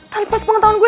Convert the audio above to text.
tanpa sepengetahuan gue